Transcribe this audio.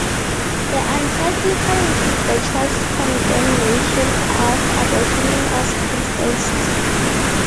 This encyclical repeats the Church's condemnation of abortion in all circumstances.